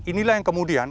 inilah yang kemudian